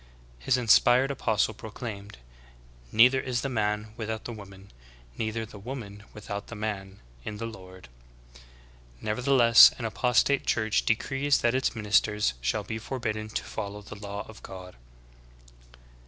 "'" His inspired apostle pro claimed : ''Neither is the man without the woman, neither the woman without the man, in the Lord."" Nevertheless an apostate church decrees that its ministers shall be forbidden to follow the law of God.